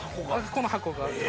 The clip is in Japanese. この箱が。